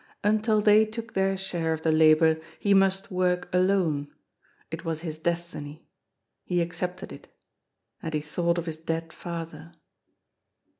Until they took their share of the labour he must work alone. It was his destiny. He accepted it. And he thought of his dead father.